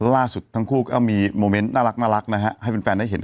ล่าสุดทั้งคู่ก็มีโมเมนต์น่ารักนะฮะให้แฟนได้เห็น